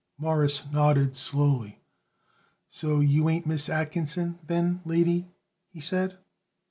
Morris nodded slowly. "So you ain't Miss Atkinson, then, lady?" he said.